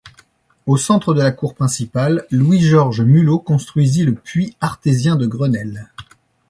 Au centre de la cour principale, Louis-Georges Mulot construisit le puits artésien de Grenelle.